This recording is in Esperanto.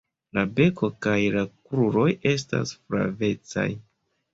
La beko kaj la kruroj esta flavecaj.